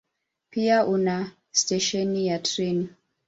Pia una stesheni ya treni.